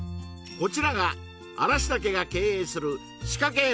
こちらが嵐田家が経営する仕掛け絵